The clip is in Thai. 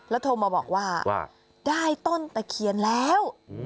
แล้วโทรมาบอกว่าได้ต้นประเขียนแล้ว